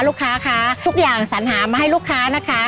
ลูกค้าคะทุกอย่างสัญหามาให้ลูกค้านะคะ